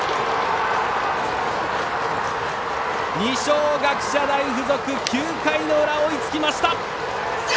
二松学舎大付属、９回の裏追いつきました！